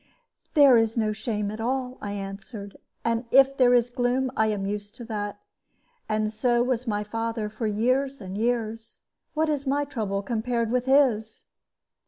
"There is no shame at all," I answered; "and if there is gloom, I am used to that; and so was my father for years and years. What is my trouble compared with his?"